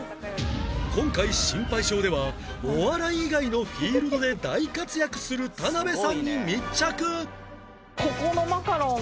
今回『シンパイ賞！！』ではお笑い以外のフィールドで大活躍する田辺さんに密着